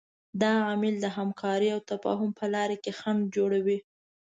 دا عامل د همکارۍ او تفاهم په لاره کې خنډ جوړوي.